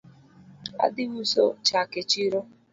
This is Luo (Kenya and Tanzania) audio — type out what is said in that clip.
Adhi uso chak e chiro